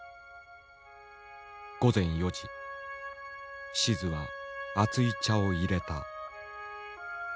午前４時静は熱い茶を入れた。